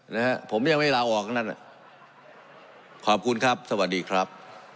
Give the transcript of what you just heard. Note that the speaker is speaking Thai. นะฮะผมยังไม่ลาออกนั่นน่ะขอบคุณครับสวัสดีครับ